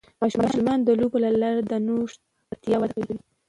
ماشومان د لوبو له لارې د نوښت وړتیا وده کوي.